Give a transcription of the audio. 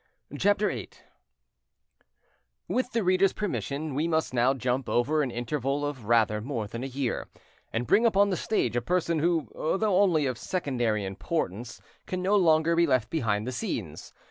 CHAPTER VIII With the reader's permission, we must now jump over an interval of rather more than a year, and bring upon the stage a person who, though only of secondary importance, can no longer be left behind the scenes.